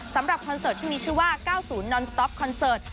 สำหรับคอนเสิร์ตที่มีชื่อว่าเก้าศูนย์นอนสต๊อปคอนเสิร์ต